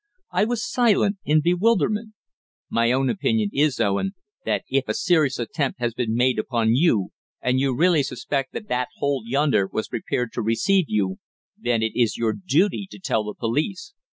I was silent, in bewilderment. "My own opinion is, Owen, that if a serious attempt has been made upon you, and you really suspect that that hole yonder was prepared to receive you, then it is your duty to tell the police.